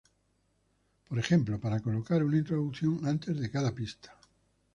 Por ejemplo, para colocar una introducción antes de cada pista.